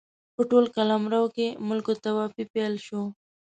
په ټول قلمرو کې ملوک الطوایفي پیل شوه.